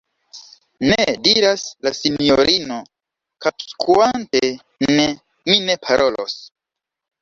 Ne! diras la sinjorino, kapskuante, Ne! mi ne parolos!